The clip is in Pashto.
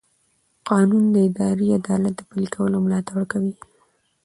قانون د اداري عدالت د پلي کولو ملاتړ کوي.